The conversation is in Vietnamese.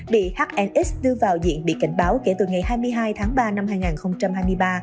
bị hnx đưa vào diện bị cảnh báo kể từ ngày hai mươi hai tháng ba năm hai nghìn hai mươi ba